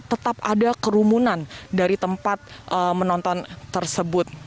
tetap ada kerumunan dari tempat menonton tersebut